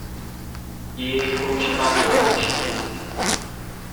Je jejich používání levnější?